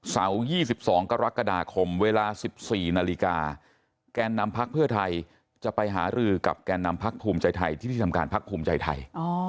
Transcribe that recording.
เสาร์๒๒กรกฎาคมเวลา๑๔นาฬิกาแกนนำพักเพื่อไทยจะไปหารือกับแกนนำพักภูมิใจไทยที่ที่ทำการพักภูมิใจไทย